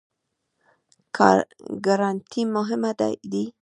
ګارنټي مهمه دی؟